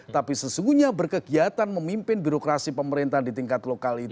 tapi sesungguhnya berkegiatan memimpin birokrasi pemerintah di tingkat lokal itu